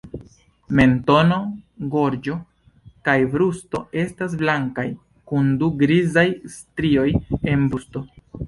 Mentono, gorĝo kaj brusto estas blankaj, kun du grizaj strioj en brusto.